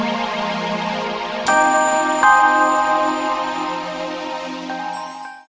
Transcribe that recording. locut dan nusus jahat dan menetapkansticks